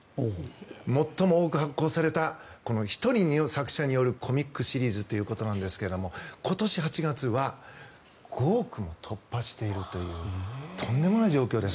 最も多く発行された１人の作者によるコミックシリーズということなんですが今年８月は５億も突破しているというとんでもない状況です。